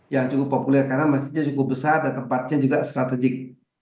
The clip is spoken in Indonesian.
yang cukup populer karena masjidnya cukup besar dan tempatnya juga strategik